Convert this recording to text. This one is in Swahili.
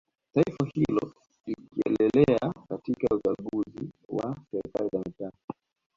Taifa hilo likieleleea katika uchaguzi wa serikali za mitaaa